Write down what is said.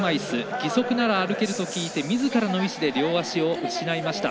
義足なら歩けると聞いてみずからの意思で両足を失いました。